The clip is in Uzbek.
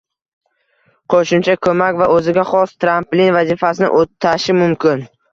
qo‘shimcha ko‘mak va o‘ziga xos tramplin vazifasini o‘tashi mumkin.